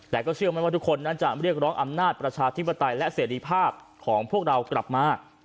แต่ก็เชื่อไหมว่าทุกคนนั้นจะเรียกร้องอำนาจประชาธิปไตยและเสรีภาพของพวกเรากลับมา